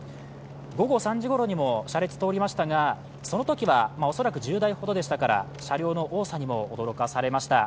午後３時ごろにも車列通りましたが、そのときにも恐らく１０台ほどでしたから、車両の多さにも驚かされました。